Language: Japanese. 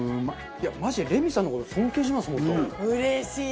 マジでレミさんの事尊敬します本当。